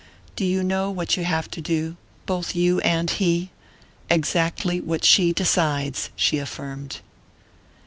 "Do you know what you have to do both you and he? Exactly what she decides," she affirmed.